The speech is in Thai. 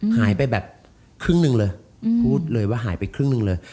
หายไปแบบครึ่งหนึ่งเลยพูดเลยว่าหายไปครึ่งหนึ่งเลย